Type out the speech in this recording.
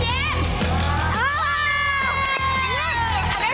อ้าว